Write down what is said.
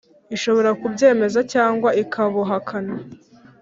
ishobora kubwemeza cyangwa ikabuhakana.